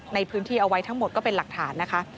ในพื้นที่เอาไว้ทั้งหมดก็เป็นหลักฐานนะคะ